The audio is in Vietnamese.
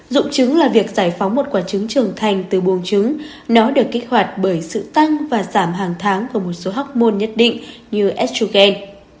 dụng trứng là việc giải phóng một quả trứng trưởng thành từ buồng trứng nó được kích hoạt bởi sự tăng và giảm hàng tháng của một số học môn nhất định như edugen